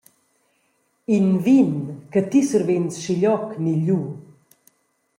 In vin che ti survegns schiglioc negliu.